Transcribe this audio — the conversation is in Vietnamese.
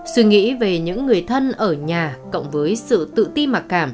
suy nghĩ về những người thân ở nhà cộng với sự tự ti mặc cảm